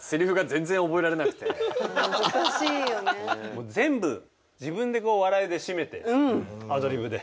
もう全部自分で笑いで締めてアドリブで。